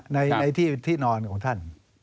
ในที่นอนของท่าน